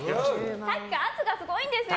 さっきから圧がすごいんですよ。